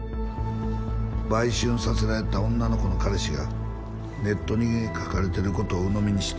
売春させられてた女の子の彼氏がネットに書かれてることをうのみにして。